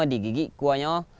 di gigi kuahnya